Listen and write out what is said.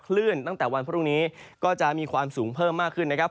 ตั้งแต่วันพรุ่งนี้ก็จะมีความสูงเพิ่มมากขึ้นนะครับ